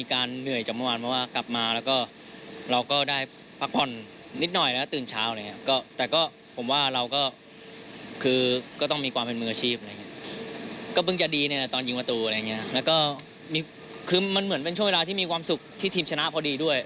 แล้วก็เหมือนเป็นช่วงเวลาที่มีความสุขที่ทีมชนะพอดีด้วย